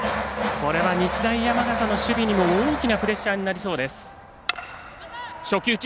これは日大山形の守備にも大きなプレッシャーになりそうです。